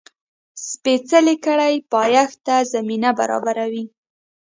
سپېڅلې کړۍ پایښت ته زمینه برابروي.